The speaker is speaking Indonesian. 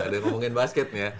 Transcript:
dan ngomongin basketnya